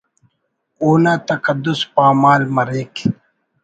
اونا تقدس پامال مریک